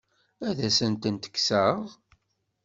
Ad asent-tent-kkseɣ?